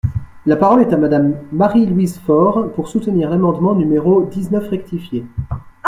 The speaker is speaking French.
La parole est à Madame Marie-Louise Fort, pour soutenir l’amendement numéro dix-neuf rectifié.